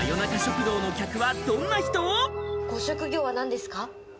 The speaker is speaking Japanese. ご職業は何ですか？